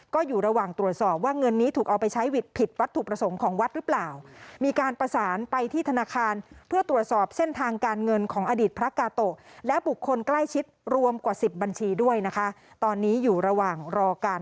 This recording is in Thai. ก็อยู่ระหว่างตรวจสอบว่าเงินนี้ถูกเอาไปใช้วิทย์ผิดวัตถุประสงค์ของวัดหรือเปล่า